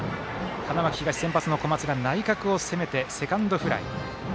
花巻東、先発の小松が内角を攻めてセカンドフライ。